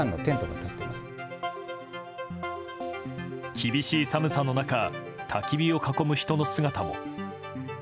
厳しい寒さの中たき火を囲む人の姿も。